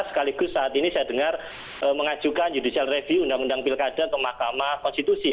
sekaligus saat ini saya dengar mengajukan judicial review undang undang pilkada ke mahkamah konstitusi